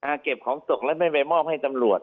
เก็บของตกแล้วไม่ไปมอบให้ตำรวจ